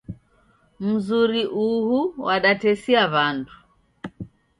Mzuri uhuu wadatesia wandu.